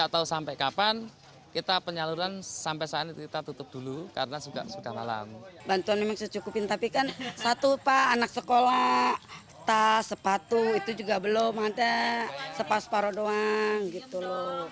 tapi kan satu pak anak sekolah tas sepatu itu juga belum ada sepas paro doang gitu loh